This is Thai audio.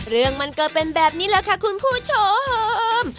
เรื่องมันก็เป็นแบบนี้แหละค่ะคุณผู้ชม